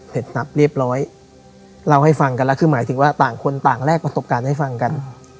นับเรียบร้อยเล่าให้ฟังกันแล้วคือหมายถึงว่าต่างคนต่างแลกประสบการณ์ให้ฟังกัน